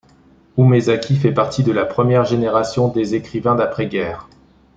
Umezaki fait partie de la première génération des écrivains d'après-guerre.